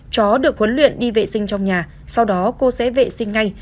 chó được huấn luyện đi vệ sinh trong nhà sau đó cô sẽ vệ sinh ngay